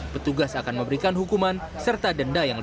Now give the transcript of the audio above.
petugas akan memberikan hukuman serta denda yang lengkap